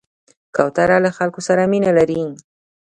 کوتره له خلکو سره مینه لري.